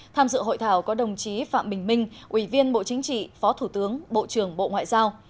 tham dự hội thảo có đồng chí phạm bình minh ủy viên bộ chính trị phó thủ tướng bộ trưởng bộ ngoại giao